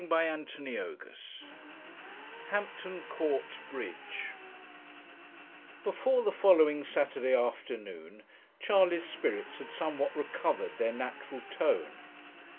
CHAPTER XXI HAMPTON COURT BRIDGE Before the following Saturday afternoon Charley's spirits had somewhat recovered their natural tone.